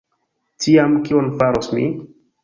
Tiam, kion faros mi?